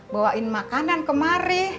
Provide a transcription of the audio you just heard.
bawain makanan kemari